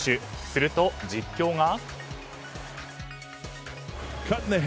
すると実況が。